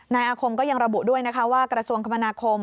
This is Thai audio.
อาคมก็ยังระบุด้วยนะคะว่ากระทรวงคมนาคม